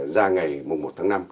ra ngày một tháng năm